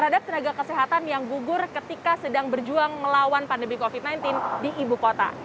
dan juga kesehatan yang gugur ketika sedang berjuang melawan pandemi covid sembilan belas di ibukota